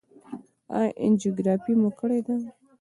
ایا انجیوګرافي مو کړې ده؟